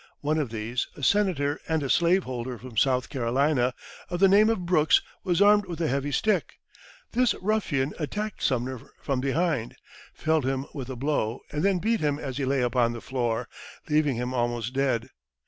One of these, a Senator and a slaveholder from South Carolina, of the name of Brooks, was armed with a heavy stick. This ruffian attacked Sumner from behind, felled him with a blow, and then beat him as he lay upon the floor, leaving him almost dead.